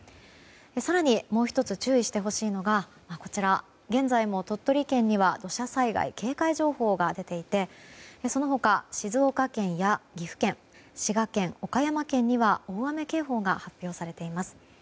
更にもう１つ注意してほしいのが現在も鳥取県には土砂災害警戒情報が出ていてその他、静岡県や岐阜県、滋賀県、岡山県には大雨警報が発表されています。